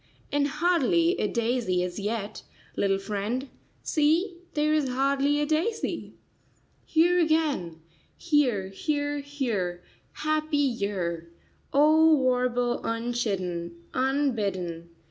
And hardly a daisy as yet, little friend— See, there is hardly a daisy. "Here again, here, here, here, happy year!" O warble unchidden, unbidden !